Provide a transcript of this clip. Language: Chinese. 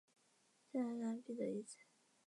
西澳州政府官方网页